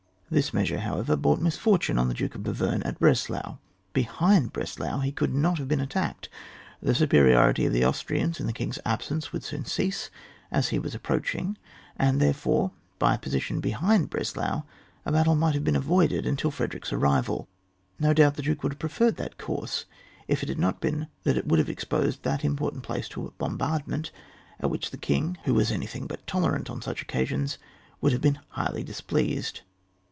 This measure, how ever, brought misfortune on the Duke of Bevern at Breslau ; behind Broslau he could not have been attacked ; the supe riority of the Austrians in the king's absence would soon, cease, as he was approaching ; and therefore, by a posi tion behind Breslau, a battle might have been avoided until Frederick's arrival. No doubt the Duke would have preferred that course if it had not been that it would have exposed that important place to a bombardment, at which the king, who was anything but tolerant on such occasions, would have been highly dis pleased.